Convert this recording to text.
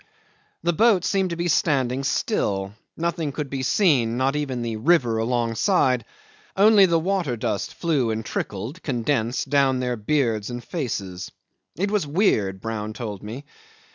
The boat seemed to be standing still; nothing could be seen, not even the river alongside, only the water dust flew and trickled, condensed, down their beards and faces. It was weird, Brown told me.